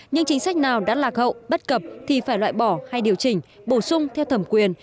nhưng chính sách nào đã lạc hậu bất cập thì phải loại bỏ hay điều chỉnh bổ sung theo thẩm quyền